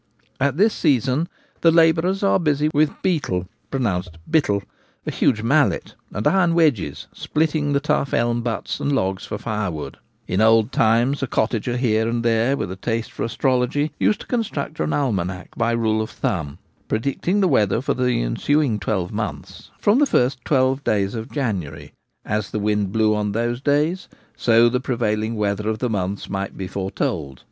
At this season the labourers are busy with 'beetle' (pronounced 'biteF)— a huge mallet — and iron wedges, splitting the tough elm butts and logs for firewood In old times a cottager here and there Weather Predictions. 1 1 5 with a taste for astrology used to construct an almanack by rule of thumb, predicting the weather for the ensuing twelve months from the first twelve days of January. As the wind blew on those days so the prevailing weather of the months might be foretold.